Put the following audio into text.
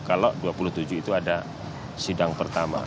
kalau dua puluh tujuh itu ada sidang pertama